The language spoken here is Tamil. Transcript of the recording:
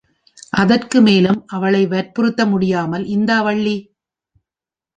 அதற்கு மேலும் அவளை வற்புறுத்த முடியாமல், இந்தா வள்ளி!